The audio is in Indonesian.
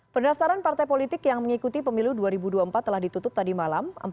pendaftaran partai politik yang mengikuti pemilu dua ribu dua puluh empat telah ditutup tadi malam